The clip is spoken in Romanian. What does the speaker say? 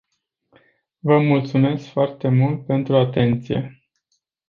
Vă mulțumesc foarte mult pentru atenție.